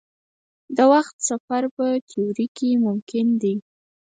د وخت سفر په تیوري کې ممکن دی.